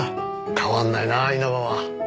変わらないなあ稲葉は。